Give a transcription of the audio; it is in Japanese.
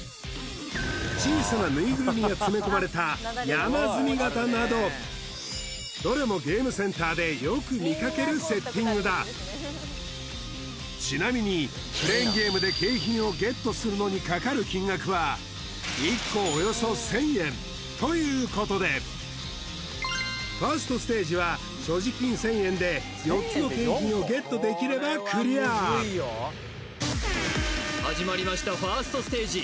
小さなぬいぐるみが詰め込まれた山積み型などどれもゲームセンターでよく見かけるセッティングだちなみにクレーンゲームで景品をゲットするのにかかる金額は１個およそ１０００円ということでファーストステージは所持金１０００円で４つの景品をゲットできればクリア始まりましたファーストステージ